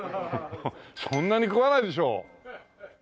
そんなに食わないでしょう。